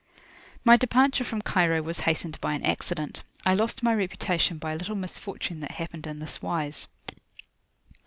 My departure from Cairo was hastened by an accident. I lost my reputation by a little misfortune that happened in this wise.